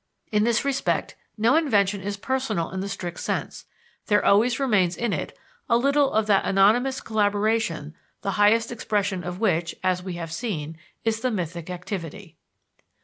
In this respect, no invention is personal in the strict sense; there always remains in it a little of that anonymous collaboration the highest expression of which, as we have seen, is the mythic activity.